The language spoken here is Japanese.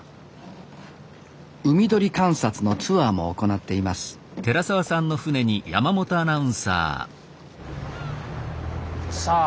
海鳥観察のツアーも行っていますさあ